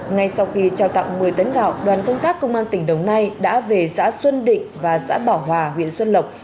ngay sau khi trao tặng một mươi tấn gạo đoàn công tác công an tỉnh đồng nai đã về xã xuân định và xã bảo hòa huyện xuân lộc